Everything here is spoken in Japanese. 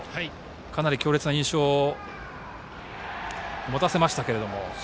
かなり強烈な印象を持たせましたけれども。